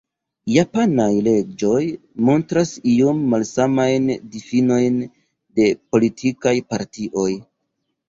Japanaj leĝoj montras iom malsamajn difinojn de politikaj partioj.